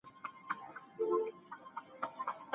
ډېر ږدن او پاڼي کولای سي له کړکۍ څخه راسي.